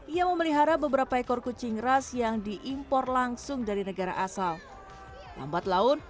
ia memelihara beberapa ekor kucing ras yang diimpor langsung dari negara asal lambat laun